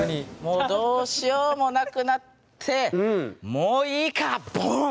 もうどうしようもなくなってもういいかお！